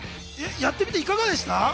やってみていかがでしたか？